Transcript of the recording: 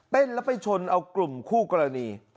แล้วไปชนเอากลุ่มคู่กรณี